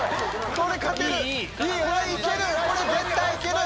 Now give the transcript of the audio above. これ絶対いける！